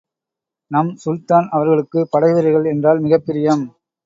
நம் சுல்தான் அவர்களுக்குப் படை வீரர்கள் என்றால் மிகப்பிரியம்.